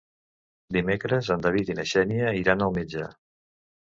Dimecres en David i na Xènia iran al metge.